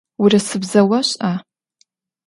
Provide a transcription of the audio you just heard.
Урысыбзэ ошӏа?